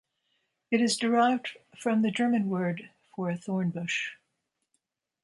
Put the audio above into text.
It is derived from the German word for a thorn bush.